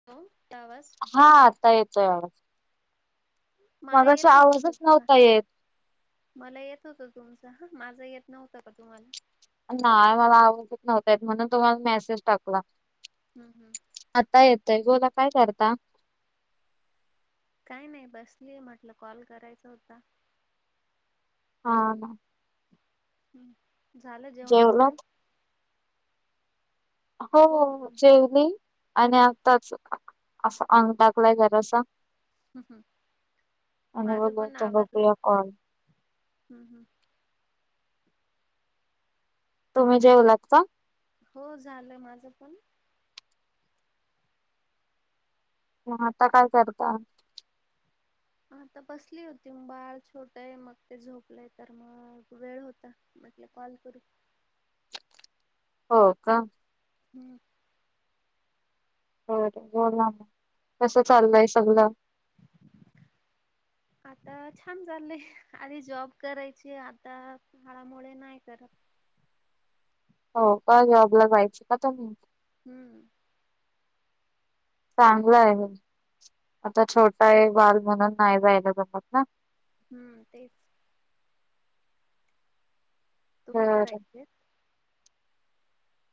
[unintelligible] [inaudible] हो तवास हा आता येतोय [inaudible] मला मगाशी येत [inaudible] आहे आवाजच आता नव्हता येत. मला येत होतं तुमच हा माझा येत नव्हता का? तुम्हाला. नाही मला आवडथित नव्हत म्हणून तुम्हाला मेसेज टाकला. हं. हं. आता येतय गोला काय करता. काय नाही. बसलीय म्हटलं कॉल करायचा होता. हां. हम्. झालं जेवण वगैरे, जेवलात? [inaudible] हो जेवली आणि हम्म, आगताच अस अंग टाकलाय [inaudible] घराचा हम्. हम्. आणि माझं पण बोलत [inaudible] आभारलंय बघूया कॉल हम्. हम्म. तुम्ही [inaudible] जेऊ [inaudible] लागता हो झालं माझं पण. आता काय करता? आता बसली होती मग बाळ छोट आहे. मग ते झोपलंय तर मग वेळ होता. म्हटल कॉल करू हो का? हम्म... बर [inaudible] ब कस चाललंय सगळ. आता छान झालेय, आधी जॉब करायचे आता [inaudible] फाळामुळे नाही करत. हो का? जॉबला जायची का [inaudible] न हम्म.. चांगलं आहे. आता छोटा आहे बाहेर म्हणून नाही जायला जमत ना. हम्म तेच. तुम्ही बर करायचे [inaudible]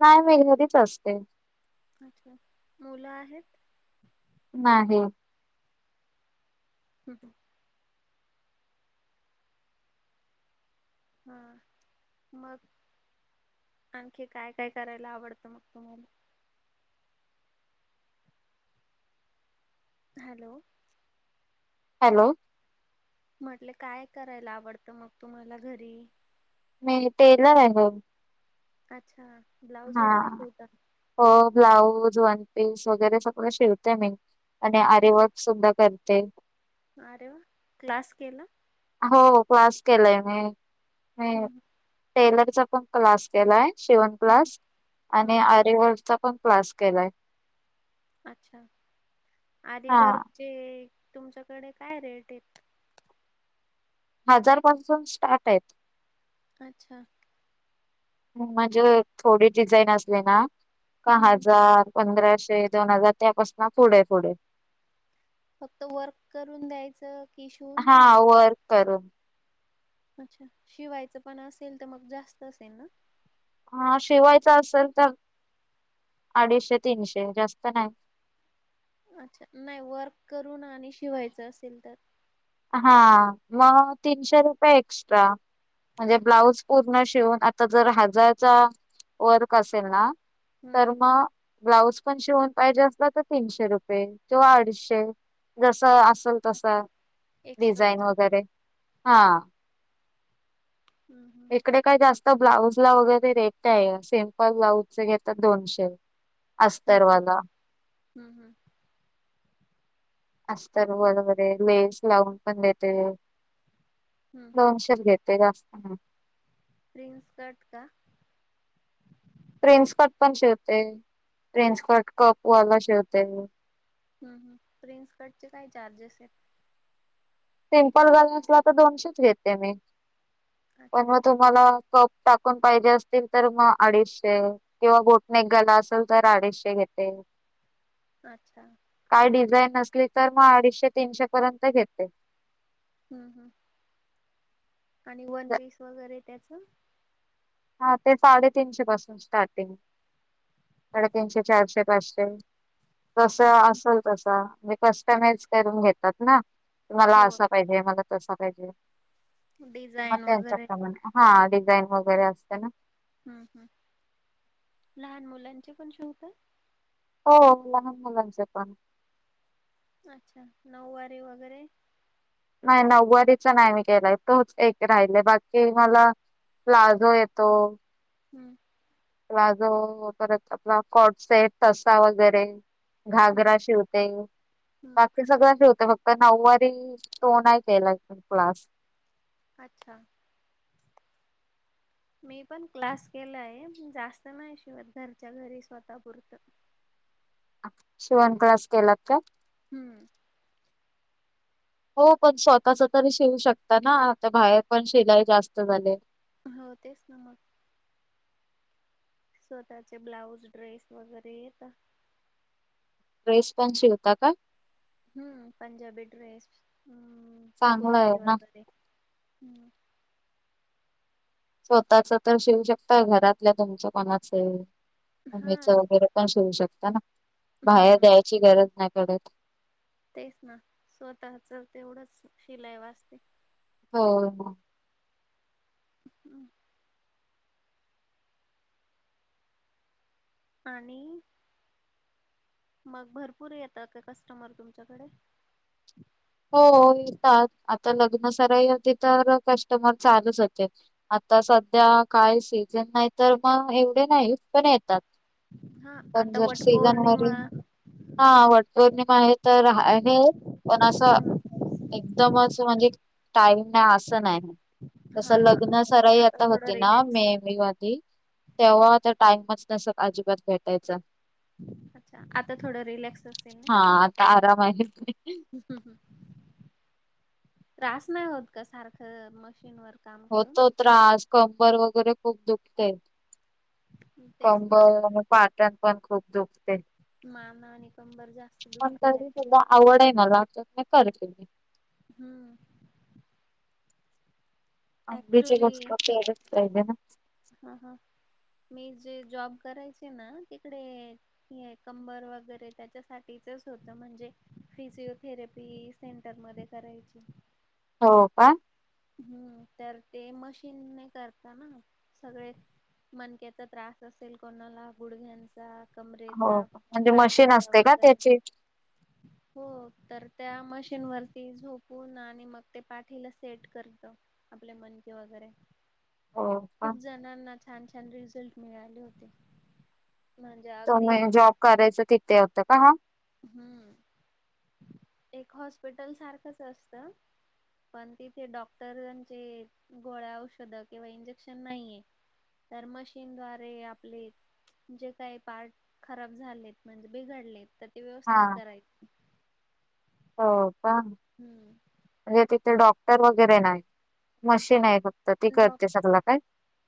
नाही, नाही घरीच असते. अच्छा! मुलं आहेत. नाही. ह. ह. हा मग आणखी काय, काय करायला आवडतं मग तुम्हाला. हॅलो. हॅलो.. म्हटले काय करायला आवडतं मग तुम्हाला घरी. मी टेलर आहे हो. अच्छा. ब्लाऊज वगैरे शिवता हा ब्लाऊज, वनपीस वगैरे सगळं शिवते मी. आणि आरेवक सुद्धा करते. अरे वा, क्लास केला? हो क्लास केलाय मी. मी हम्म टेलरचा पण क्लास केलाय. शिवण [inaudible] हम्म प्लास आणि हम्म आरेवचा पण [inaudible] प्लास केलाय. अच्छा, आधी हा वर्कचे तुमच्याकडे काय रेट आहेत? हजारपासून स्टार्ट आहेत. अच्छा. म्हणजे, थोडी डिझाईन असली ना, का हम्म हजार पंधराशे, दोन हजार त्यापसन पुढे, पुढे. फक्त वर्क करून द्यायचं, की शिवून हा पण द्यायच? वर्क करून. अच्छा, शिवायचं पण असेल तर मग जास्त असेल ना? हा शिवायचा असेल तर, अडीशे, तीनशे जास्त नाही. अच्छा, नाही वर्क करून आणि शिवायचं असेल तर? हा, मग तीनशे रुपये एक्स्ट्रा, म्हणजे अच्छा ब्लाउज पूर्ण शिवून, आता जर हजारचा वर्क असेल ना. हम्म तर मग ब्लाउज पण शिवून पाहिजे असला तर तीनशे रुपये, किंवा आडीशे. जस असल तस, अच्छा डिझाईन एक्स्ट्राच वगैरे, हा. हम्म इकडे काय जास्त ब्लाऊजला वगैरे रेट नाही, सिम्पल ब्लाऊजचे घेतात दोनशे. ह, ह, अस्तरवाला हम्म, हम्म. अस्तरवर्ड मध्ये लेस लावून पण देते, हम्म हम्म दोनशेच घेते. ते जास्त नाय. प्रिनस्कर्ट का? रेन्स्कट पण शिवते, रेन्स्कट कपवाला शिवते. ह प्रिन्सकटचे काय चार्जेस आहेत? सिम्पल गला असला तर दोनशेच घेते मी, पण अच्छा मग तुम तुम्हाला कप टाकून पाहिजे असतील तर म अडीशे. किंवा गोटनेक गला असल तर अडीचशे घेते. अच्छा. काय डिझाईन नसली तर, मग अडीचशे- तीनशे पर्यंत घेते. हम्, हम्. आणि वन पीस वगैरे त्याचं? हा ते साडेतीनशे पासून स्टार्टिंग, साडेतीनशे, चारशे, पाचशे. तस हम्म असल तसा म्हणजे हा, कस्टमाइज करून घेतात ना, की मला हो असं हे मला तसा पाहिजे. मग डिझाईन वगैरे. त्यांच्याप्रमाणे हा, डिझाईन वगैरे असते ना. हम्म, हम लहान मुलांचे पण शिवताय? हो, लहान मुलांच पण. अच्छा, नऊवारी वगैरे? नाही, नऊवारीचा नाही मी केलाय, तोच एक राहिलय बाकी मला प्लाझो येतो. हम्म. प्लाझो, परत आपला कॉट सेट, ठसा वगैरे. हम्म घागरा शिवते. हम्म बाकी सगळ्यां शिवते, फक्त नऊवारी तो नाही केलाय क्लास. अच्छा. मी पण क्लास केलाय, जास्त नाही शिवत घरच्या घरी स्वतः पुरतं. शिवण क्लास केलात का? हूम. हो पण स्वतःच तरी शिवू शकता ना? आता बाहेर पण शिलाई जास्त झालीये. हा तेच ना मग. स्वतः चे ब्लाऊज, ड्रेस वगैरे येत. ड्रेस पन शिवता का? हुं पंजाबी ड्रेस, हम्म चांगलं आहे कुर्ती ना वगैरे. स्वतःच तर शिवू शकता, घरातल्या तुमच कोणाच हा मम्मीच वगैरे पण शिवू शकता ना, बाहेर हम्म द्यायची गरज नाही पडत. तेच ना, स्वतःच तेवढंच शिलाई वाचते. हो हो. [inaudible] आणि मग भरपूर येतात का कस्टमर तुमच्याकडे? हो येतात आता लग्न सराई होती तर, कस्टमर चालूच होते. आता सध्या काय सीझन नाही तर, मग एवढे नाहीत, पण ये तात, हा पण आता जर सीजन वटपौर्णिमा वरी हा वटपौर्णिमा आहे तर आहे, पण आसं हम्म, एकदमच म्हणजे टाईम नाही, आसं नाही. तसं हा हा लग्न सराई आता थोडं होती ना, रिलॅक्स मे मधे तेव्हा तर टाइमच नसत अजिबात भेटायचा. अच्छा, आता थोडं रिलॅक्स असेल ना. हा आता आराम आहे. हुं हुं. त्रास नाही होत का सारखं मशीन वर? होतो त्रास, कंबर वगैरे खूप दुखते. तेच ना कंबर आणि पाट्यात पण खूप दुखते. मान आणि कंबर जा पण तरी सुद्धा आवड आहे मला तर मी करते. हुं. [unintelligible] ऍक्च्युली केलच पाहिजे ना. हा हा, मी जे जॉब करायचे ना? तिकडे कंबर वगैरे त्याच्यासाठीचच होतं म्हणजे फिजिओथेरपीस सेंटरमध्ये करायची. हो का? हूम तर ते मशीनने करता ना सगळे. मनक्याचा त्रास असेल कोणाला, गुडघ्यान चा, हो कमरेचा, का म्हणजे मशीन पाटीचा असते का वगैरे त्याची हो तर त्या मशीन वरती झोपून आणि मग ते पाठीला स थेट करत आपले मणके वैगेरे. हो का खूप ज नाना छान छान रिझल्ट मिळाले होते. म्हणजे अगदी तुम्ही जॉब करायचं तिथे होतं का हा? हुं. एक हॉस्पिटल सारखच असतं. पण तिथे डॉक्टरांचे गोळ्या, औषधं किंवा इंजेक्शन नाहीये. तर मशीनद्वारे आपले जे काही पार्ट खराब झालेत म्हणजे बिघडलेत तर ते हा व्यवस्थित कराय हो का? हुं. म्हणजे तिथे डॉक्टर वगैरे नाही मशीन आहे. फक्त ती डॉ करते सगल काय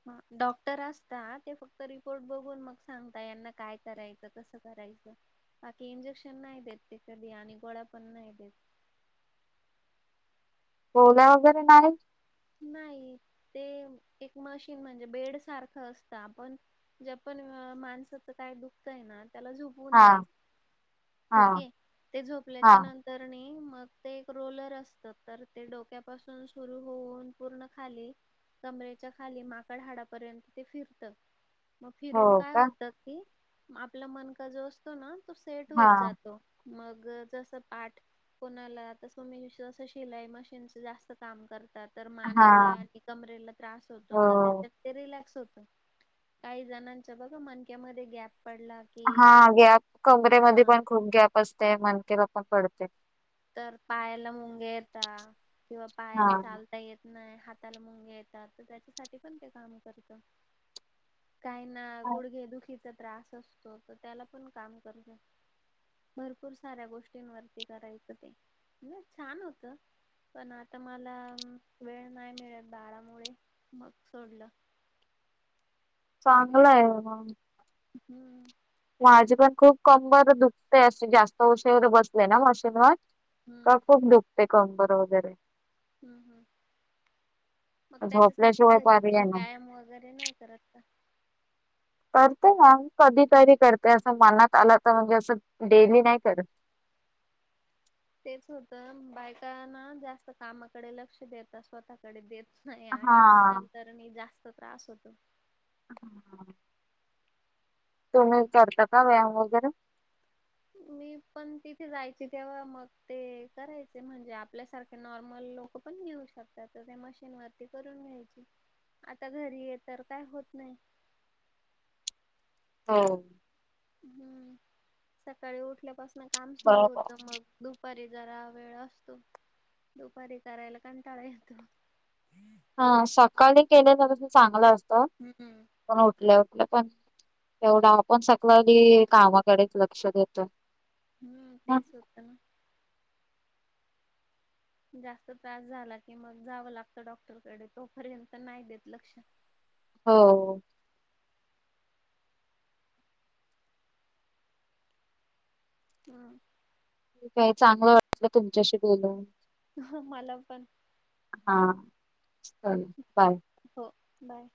हा डॉक्टर असतात ते फक्त रिपोर्ट बघून मग सांगता यांना काय करायचं कसं करायचं. बाकी इंजेक्शन नाही देत ते कधी आणि गोळ्या पण नाही देत. गोळ्या वगैरे नाही. नाही ते एक मशीन म्हणजे बेड सारखं असतं आपण ज्या पण माणसाच काय दुखतं ना त्याला झोप हा द हा ओके ते हा झोपल्याच्या नंतर तर णी मग ते एक रोलर असत तर ते डोक्यापासून सुरू होऊन पूर्ण खाली कमरेच्या खाली माकड हाडापर्यंत ते फिरत. मग हो फिरून काय का होतात की आपला मनका जो असतो ना तो सेट हा होत जातो. मग जसं पाठ कोणाला आता तुम्ही [unintelligible] जास्त शिलाई मशीनचं जास्त काम करत तर हा मानेला आणि कमरेला त्रास होतो हो तर त्याच्यात ते रिलॅक्स होत. काही जणांच बघ मनक्यामध्ये गॅप पडला की हा गॅप कमरेमध्ये हा पण खूप गॅप असते. मनतेेला पण पडते. तर पायाला मुंगे येता किंवा हा पायाने चालत चालता येत नाही, हाताला मुंगे येतात तर त्याच्यासाठी पण ते काम करत. काही ना गुडघे दुखीचा त्रास असतो. तो त्याला पण काम करतो भरपूर साऱ्या गोष्टींवरती करायचं. छान होत. पण आता मला वेळ नाही मिळत बारामुळे मग सोडलं. चांगलंय म. हम्म माझी पण खूप कंबर दुखते अशी जास्त उशीर वगैरे बसले ना मशीनवर हम्म का खूप दुखते कंबर वगैरे. हम्म हम् मग त्याच्यासाठी झोपल्याशिवाय घरी पर्याय काही नाही व्यायाम वगैरे नाही करत का? करते मॅम कधीतरी करते असं मनात आलं तर म्हणजे असं डेली नाही करत. तेच होतं बायकांना जास्त कामाकडे लक्ष देतात स्वतः कडे देत नाही हा आणि मग नंतर आणि जास्त त्रास होतो. अहां हा तुम्ही हम्म करता का व्यायाम वगैरे मी पण तिथे जायची तेव्हा मग ते करायचे म्हणजे आपल्यासारखे नॉर्मल लोक पण घेऊ शकतात तर ते मशीन वरती करून घ्यायचे. आता घरी आहे तर काय होत नाही. हो हम्म सकाळी उठल्यापासून काम सुरू बरोबर होतं मग दुपारी जरा वेळ असतो दुपारी करायला कंटाळा येतो. हा सकाळी केल्यान कस चांगलं असतं. हम्म पण उठल्या उठल्या पण तेवढा आपण सकाळी कामाकडेच लक्ष देतो. हम्म तेच होतं ना. जास्त त्रास झाला की मग जावं लागतं डॉक्टरकडे तोपर्यंत नाही देत लक्ष. हो हा ताई चांगलं वाटलं तुमच्याशी बोलून अहं मला पण. हा चिकन पाय हो बाय